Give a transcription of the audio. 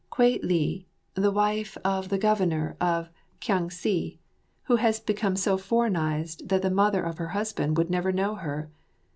Kwei li, the wife of the Governor of Kiang si, who has become so foreignised that the mother of her husband would never know her.